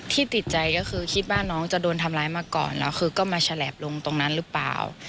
ที่ติดใจก็คือคิดว่าน้องจะโดนทำร้ายมาก่อนแล้วคือก็มาฉลบลงตรงนั้นหรือเปล่า